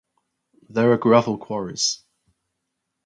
There are gravel quarries.